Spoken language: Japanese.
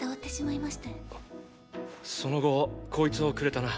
その後こいつをくれたな？